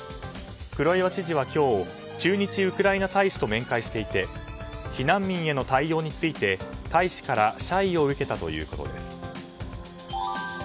黒岩知事は今日駐日ウクライナ大使と面会していて避難民への対応について大使から謝意を受けたということです。